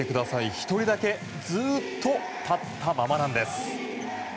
１人だけ、ずっと立ったままなんです。